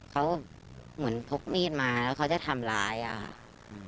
เขาเหมือนพกมีดมาแล้วเขาจะทำร้ายอ่ะค่ะ